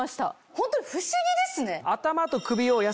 ホントに不思議ですね。